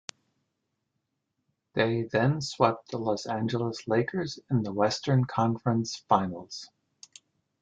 They then swept the Los Angeles Lakers in the Western Conference Finals.